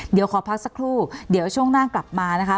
เดี๋ยวขอพักสักครู่เดี๋ยวช่วงหน้ากลับมานะคะ